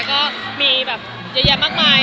ก็มีแบบเยอะแยะมากมาย